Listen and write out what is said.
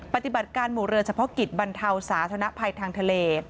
ปฏิบัติการหมู่เรือเฉพาะกิจบรรเทาสาธารณภัยทางทะเล